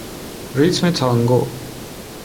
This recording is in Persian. ریتم تانگو